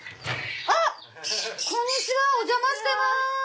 あっこんにちはお邪魔してます。